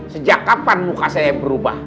sejak kapan muka saya berubah